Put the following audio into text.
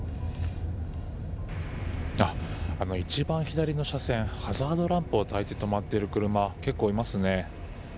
一番左の車線ハザードランプをたいて止まっている車結構いますね。